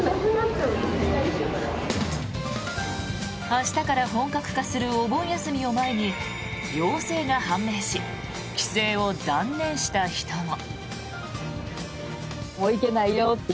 明日から本格化するお盆休みを前に陽性が判明し帰省を断念した人も。